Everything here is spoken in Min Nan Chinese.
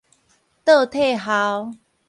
倒退鱟